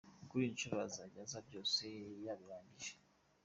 Kuri iyi nshuro azajya aza byose yabirangije.